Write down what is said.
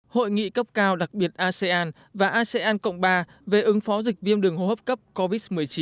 hội nghị cấp cao đặc biệt asean và asean cộng ba về ứng phó dịch viêm đường hô hấp cấp covid một mươi chín